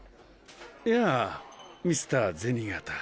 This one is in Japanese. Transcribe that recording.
やぁミスター銭形。